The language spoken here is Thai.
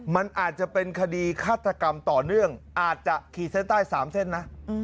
มันอาจจะเป็นคดีฆาตกรรมต่อเนื่องอาจจะขีดเส้นใต้๓เส้นนะ